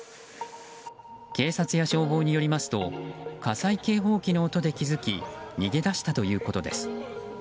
警察や消防によりますと火災警報器の音で気づき逃げ出したということです。